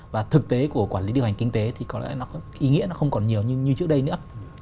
và thực tế của quản lý điều hành kinh tế thì có lẽ nó có ý nghĩa nó không còn nhiều như trước đây nữa